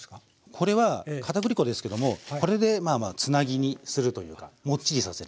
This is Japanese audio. これは片栗粉ですけどもこれでまあまあつなぎにするというかもっちりさせる。